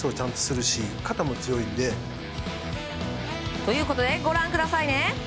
ということでご覧くださいね！